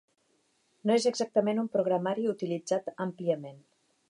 No és exactament un programari utilitzat àmpliament.